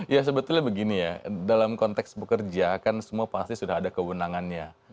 ya sebetulnya begini ya dalam konteks bekerja kan semua pasti sudah ada kewenangannya